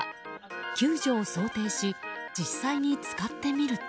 救助を想定し実際に使ってみると。